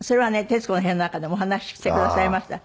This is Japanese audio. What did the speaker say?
『徹子の部屋』の中でもお話ししてくださいました。